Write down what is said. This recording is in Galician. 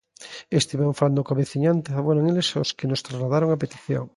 Estivemos falando coa veciñanza e foron eles os que nos trasladaron a petición.